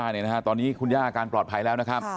ค่ะต้องขยายผลค่ะ